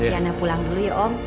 diana pulang dulu ya om